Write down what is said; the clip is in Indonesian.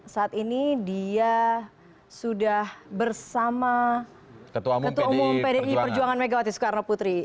saat ini dia sudah bersama ketua umum pdi perjuangan megawati soekarno putri